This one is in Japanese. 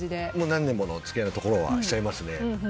何年もお付き合いのところは借りちゃいますね。